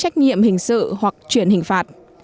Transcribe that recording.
trách nhiệm hình sự hoặc chuyển hình phạt